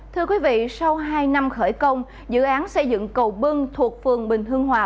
thưa quý vị sau hai năm khởi công dự án xây dựng cầu bưng thuộc phường bình hương hòa